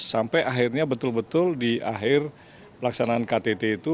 sampai akhirnya betul betul di akhir pelaksanaan ktt itu